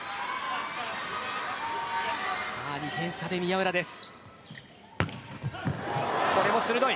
２点差で宮浦です。